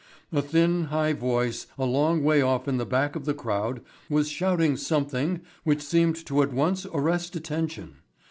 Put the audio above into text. A thin high voice a long way off in the back of the crowd was shouting something which seemed to at once arrest attention.